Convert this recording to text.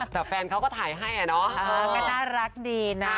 แต่แฟนเขาก็ถ่ายให้อ่ะเนาะก็น่ารักดีนะ